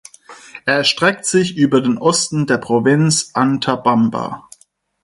Er erstreckt sich über den Osten der Provinz Antabamba.